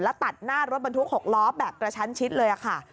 แล้วตัดหน้ารถบรรทุก๖ล้อแบบกระชั้นชิดเลยค่ะ